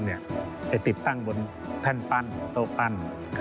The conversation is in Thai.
ไปติดตั้งบนแท่นปั้นโต๊ะปั้น